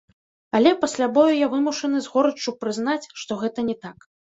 Але пасля бою я вымушаны з горыччу прызнаць, што гэта не так.